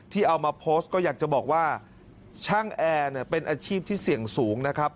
เอามาโพสต์ก็อยากจะบอกว่าช่างแอร์เนี่ยเป็นอาชีพที่เสี่ยงสูงนะครับ